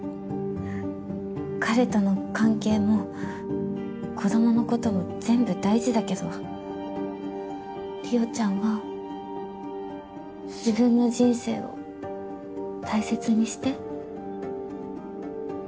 彼との関係も子供のことも全部大事だけど理央ちゃんは自分の人生を大切にして。